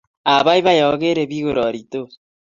Apaipai akere piik kororitos